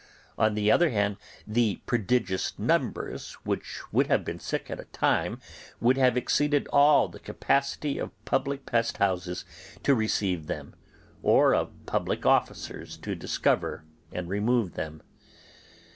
On the other hand, the prodigious numbers which would have been sick at a time would have exceeded all the capacity of public pest houses to receive them, or of public officers to discover and remove them.